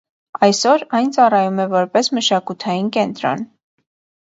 Այսօր, այն ծառայում է որպես մշակութային կենտրոն։